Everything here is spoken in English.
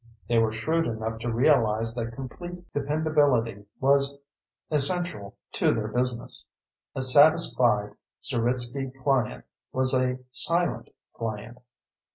They were shrewd enough to realize that complete dependability was essential to their business. A satisfied Zeritsky client was a silent client.